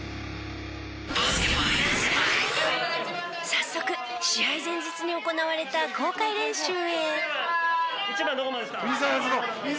早速試合前日に行われた公開練習へ。